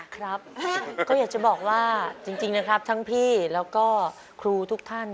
ครับก็อยากจะบอกว่าจริงนะครับทั้งพี่แล้วก็ครูทุกท่าน